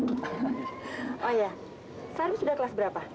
oh ya sarip sudah kelas berapa